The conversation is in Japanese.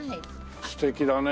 素敵だね。